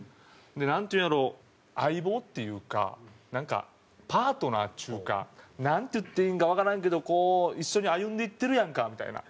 「なんていうんやろう相棒っていうかなんかパートナーっちゅうかなんて言っていいんかわからんけどこう一緒に歩んでいってるやんか」みたいな。